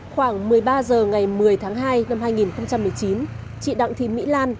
khoảng một mươi ba h ngày một mươi tháng hai năm hai nghìn một mươi chín chị đặng thị mỹ lan